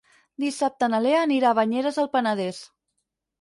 Dissabte na Lea anirà a Banyeres del Penedès.